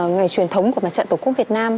ngày truyền thống của mặt trận tổ quốc việt nam